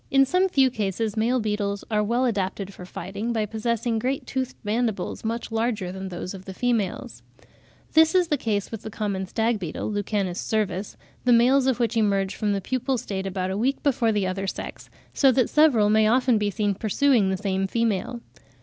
In some few cases male beetles are well adapted for fighting, by possessing great toothed mandibles, much larger than those of the females. This is the case with the common stag beetle (Lucanus cervus), the males of which emerge from the pupal state about a week before the other sex, so that several may often be seen pursuing the same female.